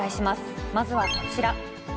まずはこちら。